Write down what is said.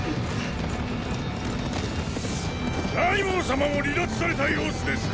凱孟様も離脱された様子です！